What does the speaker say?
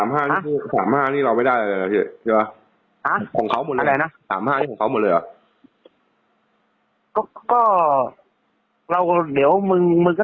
๓คันนี้เราไม่ได้เลยนะเทียใช่ปะ